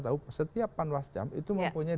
tahu setiap panwascam itu mempunyai